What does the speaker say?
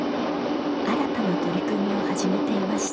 新たな取り組みを始めていました。